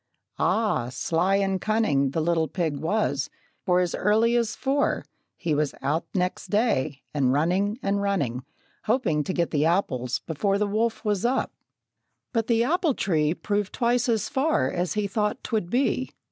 Ah, sly and cunning The little pig was, for as early as four He was out next day, and running, running, Hoping to get the apples before The wolf was up. But the apple tree Proved twice as far as he thought 'twould be.